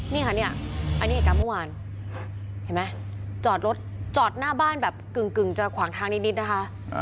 นี่ค่ะเนี่ยอันนี้เหตุการณ์เมื่อวานเห็นไหมจอดรถจอดหน้าบ้านแบบกึ่งจะขวางทางนิดนะคะ